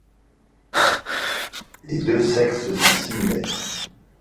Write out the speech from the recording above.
Les deux sexes sont similaires.